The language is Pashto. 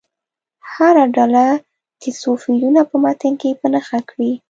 هره ډله دې څو فعلونه په متن کې په نښه کړي.